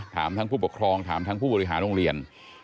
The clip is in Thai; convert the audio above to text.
ถามทั้งผู้ปกครองถามทั้งผู้บริหารโรงเรียน